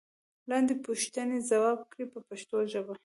لاندې پوښتنې ځواب کړئ په پښتو ژبه.